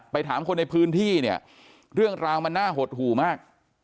ถามคนในพื้นที่เนี่ยเรื่องราวมันน่าหดหู่มาก